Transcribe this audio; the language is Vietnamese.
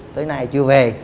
tới nay chưa về